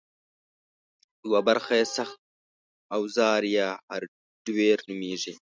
یوه برخه یې سخت اوزار یا هارډویر نومېږي